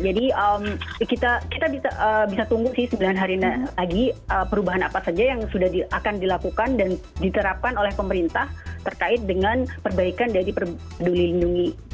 jadi kita bisa tunggu sih sembilan hari lagi perubahan apa saja yang sudah akan dilakukan dan diterapkan oleh pemerintah terkait dengan perbaikan dari peduli lindungi